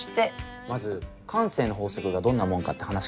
まず慣性の法則がどんなもんかって話からなんだけど。